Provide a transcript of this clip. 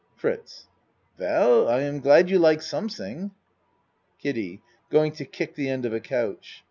FRITZ Well I am glad you like something. KIDDIE (Going to kick the end of a couch.)